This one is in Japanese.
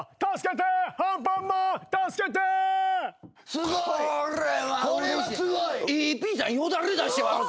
すごい！これはうれしい。